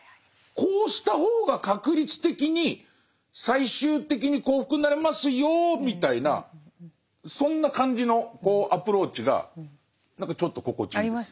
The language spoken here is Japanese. こうした方が確率的に最終的に幸福になれますよみたいなそんな感じのアプローチが何かちょっと心地いいです。